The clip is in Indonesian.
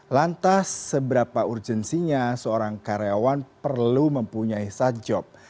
lantas seberapa urgensinya seorang karyawan perlu mempunyai sadjob